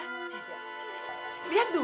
aduh ini dong